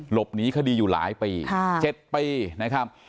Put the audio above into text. หลบหนีคดีอยู่หลายปี๗ปีนะครับ